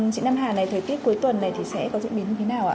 chị nam hà này thời tiết cuối tuần này thì sẽ có diễn biến như thế nào ạ